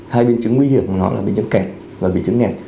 hai biến chứng nguy hiểm của nó là biến chứng kẹt và biến chứng nghẹt